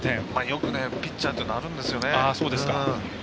よくピッチャーってあるんですよね。